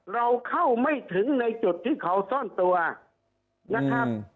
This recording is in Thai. เราเข้าไม่ถึงในจุดที่เขาซ่อนตัวนะครับ